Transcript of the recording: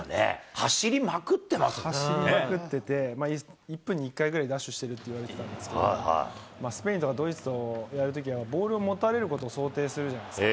走りまくってて、１分に１回ぐらいダッシュしてるって言われてたんですけど、スペインとかドイツとやるときは、ボールを持たれることを想定するじゃないですか。